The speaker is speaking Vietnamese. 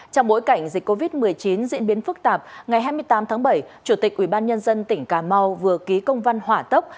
trong bối cảnh dịch covid một mươi chín diễn biến phức tạp ngày hai mươi tám tháng bảy chủ tịch ubnd tỉnh cà mau vừa ký công văn hỏa tốc